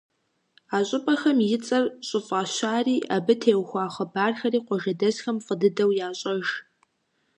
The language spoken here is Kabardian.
А щӀыпӀэхэм и цӀэр щӀыфӀащари, абы теухуа хъыбархэри къуажэдэсхэм фӀы дыдэу ящӀэж.